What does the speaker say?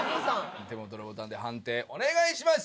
お手元のボタンで判定お願いします。